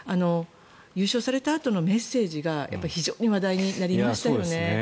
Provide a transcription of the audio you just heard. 優勝されたあとのメッセージが非常に話題になりましたよね。